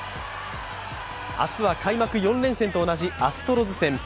明日は開幕４連戦と同じアストロズ戦。